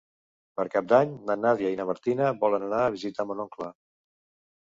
Per Cap d'Any na Nàdia i na Martina volen anar a visitar mon oncle.